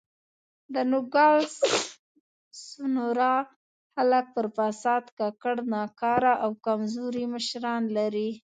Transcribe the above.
د نوګالس سونورا خلک پر فساد ککړ، ناکاره او کمزوري مشران لري.